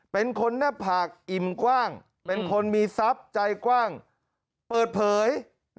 เป็นคนหน้าผากอิ่มกว้างเป็นคนมีทรัพย์ใจกว้างเปิดเผย